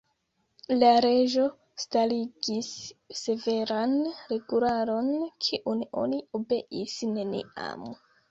La Reĝo starigis severan regularon, kiun oni obeis neniam.